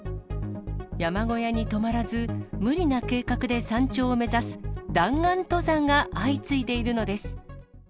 山小屋に泊まらず、無理な計画で山頂を目指す、弾丸登山が相次いでいるのです。